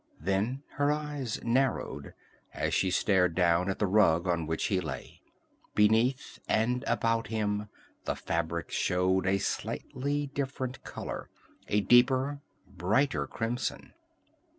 Then her eyes narrowed as she stared down at the rug on which he lay. Beneath and about him the fabric showed a slightly different color, a deeper, brighter crimson.